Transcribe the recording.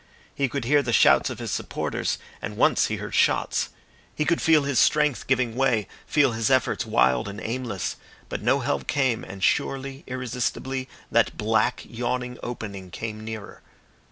He could hear the shouts of his supporters, and once he heard shots. He could feel his strength giving way, feel his efforts wild and aimless. But no help came, and surely, irresistibly, that black, yawning opening came nearer.